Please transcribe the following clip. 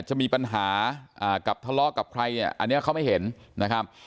จะมีปัญหากับทะเลาะกับใครเนี่ยอันนี้เขาไม่เห็นนะครับ